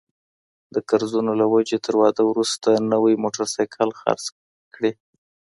د قرضونو له وجهي تر واده وروسته نوی موټرسايکل خرڅ کړي